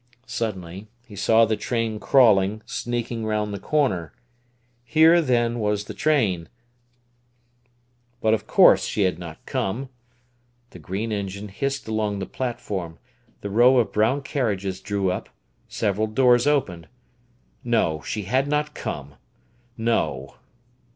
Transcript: Suddenly he saw the train crawling, sneaking round the corner. Here, then, was the train, but of course she had not come. The green engine hissed along the platform, the row of brown carriages drew up, several doors opened. No; she had not come! No!